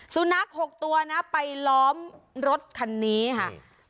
สุนัข๖ตัวนะไปล้อมรถคันนี้ค่ะ